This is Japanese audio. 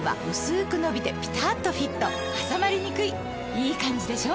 いいカンジでしょ？